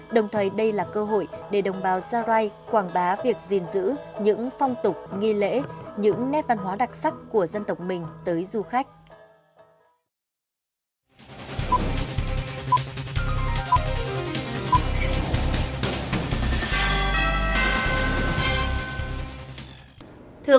đồng thời đây là cơ hội để đồng bào gia rai quảng bá việc gìn giữ những phong tục nghi lễ những nét văn hóa đặc sắc của dân tộc mình tới du khách